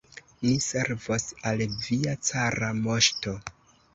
Ni servos al via cara moŝto!